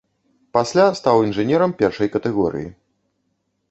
Пасля стаў інжынерам першай катэгорыі.